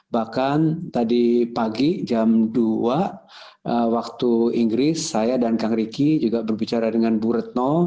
bahkan tadi pagi jam dua waktu inggris saya dan kang ricky juga berbicara dengan bu retno